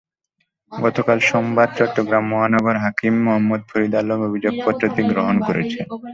গতকাল সোমবার চট্টগ্রাম মহানগর হাকিম মোহাম্মদ ফরিদ আলম অভিযোগপত্রটি গ্রহণ করেছেন।